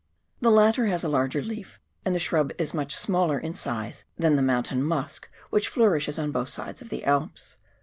The latter has a larger leaf, and the shrub is much smaller in size than the " mountain musk " which flourishes on both sides of the Alps.